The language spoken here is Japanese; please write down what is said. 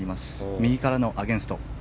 右からのアゲンスト。